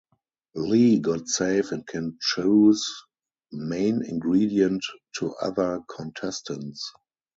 Lee got safe and can choose main ingredient to other contestants.